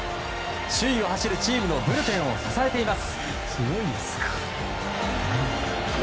首位を走るチームのブルペンを支えています。